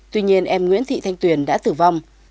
tuy nhiên em nguyễn thị thanh tuyền đã tử vong